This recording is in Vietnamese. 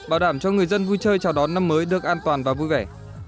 bảo đảm cho người dân vui chơi chào đón năm mới được an toàn và vui vẻ